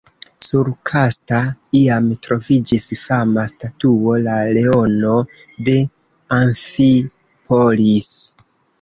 Sur Kasta iam troviĝis fama statuo “La leono de Amfipolis”.